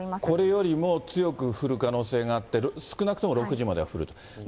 これよりも強く降る可能性があって、少なくとも６時までは降ると。